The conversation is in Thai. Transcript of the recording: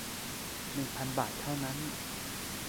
หนึ่งพัน บาทเท่านั้น